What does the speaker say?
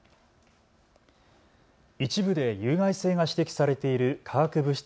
一部で有害性が指摘されている化学物質